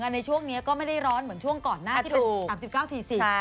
ในช่วงนี้ก็ไม่ได้ร้อนเหมือนช่วงก่อนหน้าที่เป็น๓๙๔๔